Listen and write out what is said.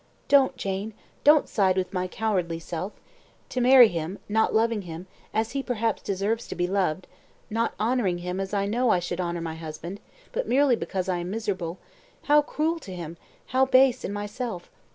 "Don't, Jane; don't side with my cowardly self. To marry him, not loving him, as he perhaps deserves to be loved not honouring him as I know I should honour my husband but merely because I am miserable how cruel to him, how base in myself!